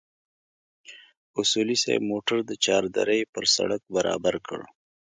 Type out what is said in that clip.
اصولي صیب موټر د چار درې پر سړک برابر کړ.